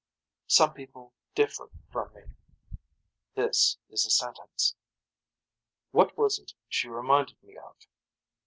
Some people differ from me. This is a sentence. What was it she reminded me of.